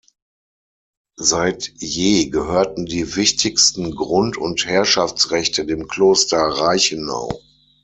Seit je gehörten die wichtigsten Grund- und Herrschaftsrechte dem Kloster Reichenau.